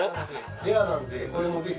レアなんでこれもぜひぜひ。